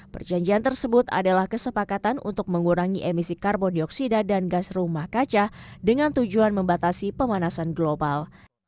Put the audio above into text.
perjanjian tersebut adalah kesepakatan untuk mengurangi emisi karbon dioksida dan gas rumah kaca dengan tujuan membatasi pemanasan global